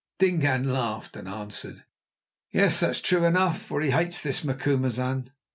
Dingaan laughed and answered: "Yes, that is true enough, for he hates this Macumazahn.